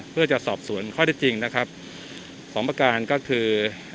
เพื่อจะสอบสวนข้อได้จริงนะครับสองประการก็คือ